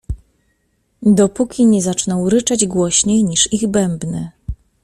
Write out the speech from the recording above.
Dopóki nie zaczną ryczeć głośniej, niż ich bębny.